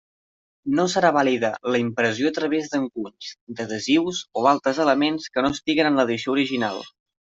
No serà vàlida la impressió a través d'encunys, adhesius o altres elements que no estiguen en l'edició original.